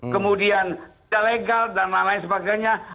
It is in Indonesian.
kemudian tidak legal dan lain lain sebagainya